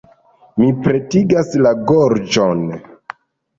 Mi pretigas la gorĝon.